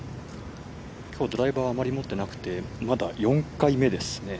きょう、ドライバーはあまり持ってなくてまだ４回目ですね。